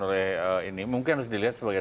oleh ini mungkin harus dilihat sebagai